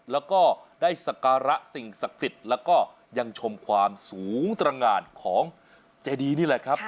แล้วก็ได้สักการะสิ่งศักดิ์สิทธิ์แล้วก็ยังชมความสูงตรงานของเจดีนี่แหละครับ